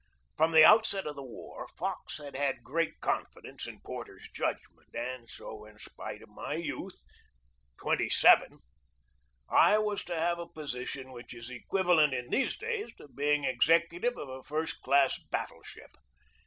From the outset of the war, Fox had had great confidence in Porter's judgment; and so, in spite of my youth twenty seven I was to have a position which is equivalent in these days to being executive of a first class battle ship.